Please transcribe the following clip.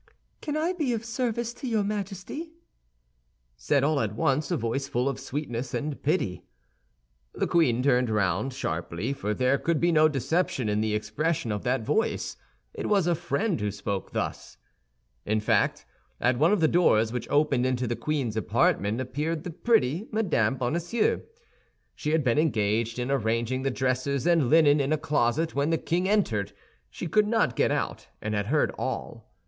"Can I be of service to your Majesty?" said all at once a voice full of sweetness and pity. The queen turned sharply round, for there could be no deception in the expression of that voice; it was a friend who spoke thus. In fact, at one of the doors which opened into the queen's apartment appeared the pretty Mme. Bonacieux. She had been engaged in arranging the dresses and linen in a closet when the king entered; she could not get out and had heard all.